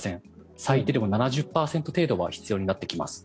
最低でも７０％程度は必要になってきます。